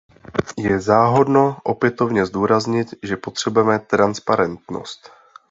Je záhodno opětovně zdůraznit, že potřebujeme transparentnost.